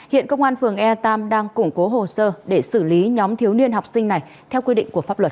hiện công an phường ea tam đang củng cố hồ sơ để xử lý nhóm thiếu niên học sinh này theo quy định của pháp luật